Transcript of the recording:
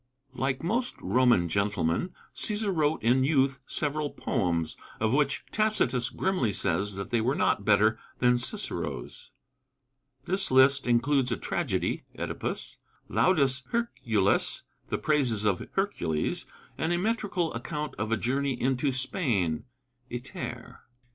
Like most Roman gentlemen, Cæsar wrote in youth several poems, of which Tacitus grimly says that they were not better than Cicero's. This list includes a tragedy, 'Oedipus,' 'Laudes Herculis' (the Praises of Hercules), and a metrical account of a journey into Spain (Iter).